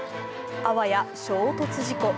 あわや衝突事故。